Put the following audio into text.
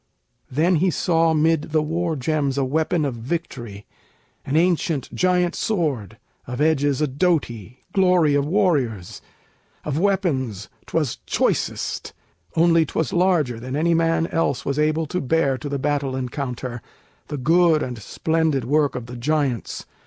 Then he saw 'mid the war gems a weapon of victory, An ancient giant sword, of edges a doughty, Glory of warriors: of weapons 'twas choicest, Only 'twas larger than any man else was Able to bear to the battle encounter, The good and splendid work of the giants.